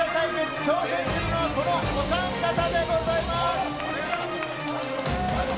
挑戦するのは、このお三方でございます。